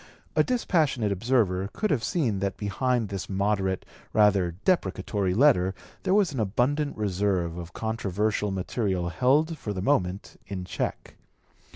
A dispassionate observer could have seen that behind this moderate, rather deprecatory letter there was an abundant reserve of controversial material held for the moment in check.